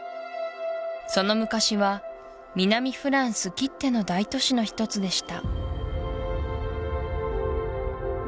その昔は南フランスきっての大都市の一つでした